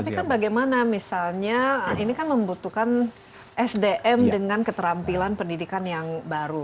tapi kan bagaimana misalnya ini kan membutuhkan sdm dengan keterampilan pendidikan yang baru